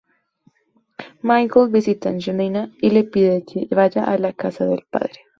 Michael visita a Angelina y le pide que vaya a la casa del Padre.